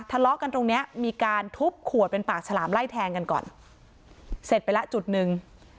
ทะเลาะกันตรงเนี้ยมีการทุบขวดเป็นปากฉลามไล่แทงกันก่อนเสร็จไปแล้วจุดหนึ่ง